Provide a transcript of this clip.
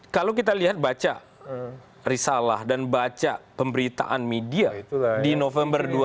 kalau kita lihat baca risalah dan baca pemberitaan media di november dua ribu dua puluh